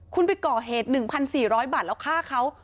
คุณไปก่อเหตุ๑๔๐๐บาทแล้วฆ่าเขา